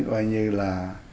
gọi như là